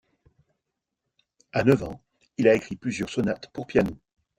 À neuf ans, il a écrit plusieurs sonates pour piano.